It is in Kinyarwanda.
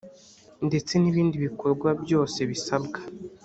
ndetse n ibindi bikorwa byose bisabwa